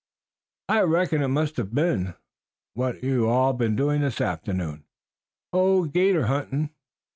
"I reckon it must have been. What you all been doing this afternoon?" "Oh, 'gator hunting."